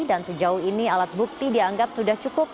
dan sejauh ini alat bukti dianggap sudah cukup